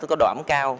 có độ ẩm cao